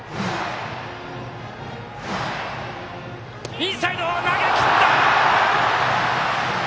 インサイド、投げきった！